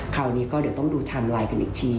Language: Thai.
คราวนี้ก็เดี๋ยวต้องดูไทม์ไลน์กันอีกที